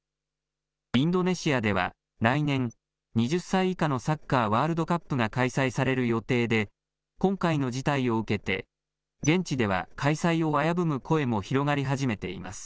インドネシアでは来年、２０歳以下のサッカーワールドカップが開催される予定で、今回の事態を受けて現地では開催を危ぶむ声も広がり始めています。